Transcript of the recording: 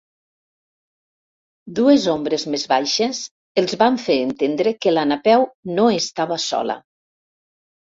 Dues ombres més baixes els van fer entendre que la Napeu no estava sola.